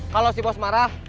kalau si bos marah